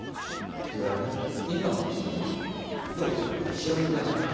白塗りあるから。